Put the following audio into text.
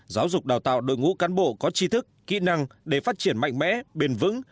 giáo dục đào tạo đội ngũ cán bộ có chi thức kỹ năng để phát triển mạnh mẽ bền vững